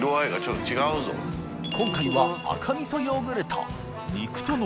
禳２鵑赤味噌ヨーグルト